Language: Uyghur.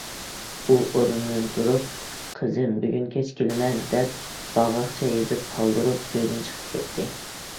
ئۇ ئورنىدىن تۇرۇپ« قىزىم بۈگۈن كەچ كېلىمەن» دەپ باغاقچە يېزىپ قالدۇرۇپ، ئۆيىدىن چىقىپ كەتتى.